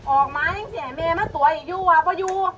ออกมาเนี้ยสิไหนแม่มาตัวอีกอยู่ว่าพออยู่